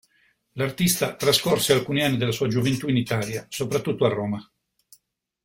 L'artista trascorse alcuni anni della sua gioventù in Italia, soprattutto a Roma.